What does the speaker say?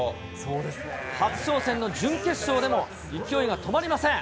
初挑戦の準決勝でも勢いが止まりません。